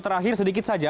terakhir sedikit saja